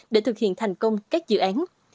để thực hiện thành công các dự án